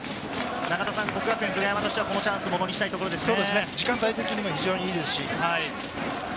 國學院久我山としては、このチャンスをものにしたいところですね。